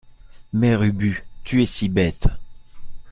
Mère Ubu Tu es si bête !